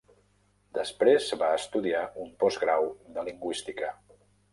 Després va estudiar un postgrau de lingüística.